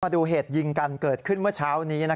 ดูเหตุยิงกันเกิดขึ้นเมื่อเช้านี้